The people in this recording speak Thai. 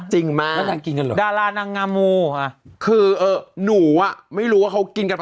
จริงมากดารานางงามูอะคือหนูอะไม่รู้ว่าเขากินกัน